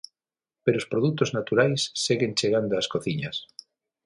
Pero os produtos naturais seguen chegando ás cociñas.